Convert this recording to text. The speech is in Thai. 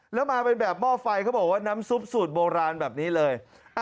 แล้วมาเป็นแบบหม้อไฟเขาบอกว่าน้ำซุปสูตรโบราณแบบนี้เลย